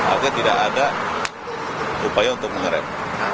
agar tidak ada upaya untuk mengerem